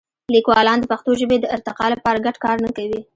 لیکوالان د پښتو ژبې د ارتقا لپاره ګډ کار نه کوي.